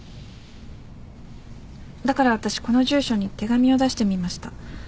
だから私この住所に手紙を出してみました。